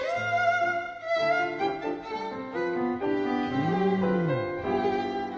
うん。